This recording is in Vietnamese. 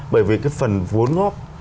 bởi vì cái phần vốn góp